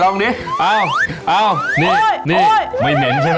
ตรงนี้นายลองดิ